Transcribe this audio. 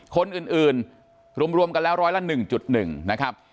คนอื่นรวมกันแล้วร้อยละ๑๑นะครับ